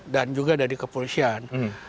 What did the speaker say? dan juga dari kepolisian